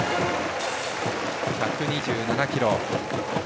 １２７キロ。